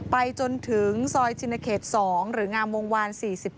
ไปจนถึงซอยชินเขต๒หรืองามวงวาน๔๗